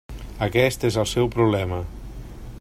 Aquest és el seu problema.